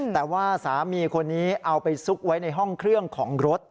แต่ว่าสามีคนนี้เอาไปซุกไว้ในห้องเครื่องของรถ